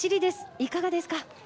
いかがですか。